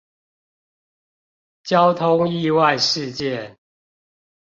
交通意外事件